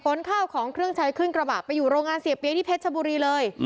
ข้าวของเครื่องใช้ขึ้นกระบะไปอยู่โรงงานเสียเปี๊ยที่เพชรชบุรีเลย